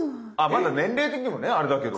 まだ年齢的にもねあれだけど。